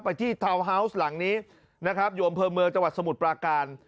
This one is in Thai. ไปที่เทาว์หาวส์หลังนี้โยมเพิร์ดเมืองจสมุดปลาการ